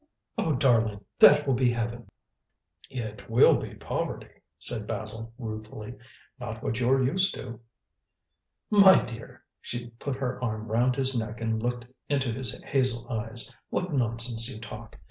"Oh, darling, that will be heaven!" "It will be poverty," said Basil ruefully; "not what you're used to." "My dear," she put her arm round his neck and looked into his hazel eyes, "what nonsense you talk.